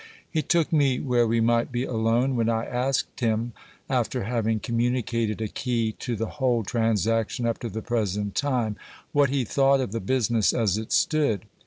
He took me where we might be alone, when I asked him, after having communicated a key to the whole transaction up to the present time, what he thought of the business as it stood.